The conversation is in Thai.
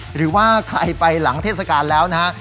หรือว่าใครไปหลังเทศกาลแล้วนะฮะ